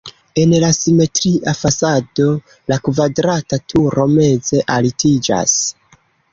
En la simetria fasado la kvadrata turo meze altiĝas.